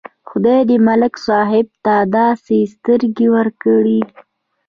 خدای ملک صاحب ته داسې سترګې ورکړې.